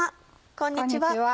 こんにちは。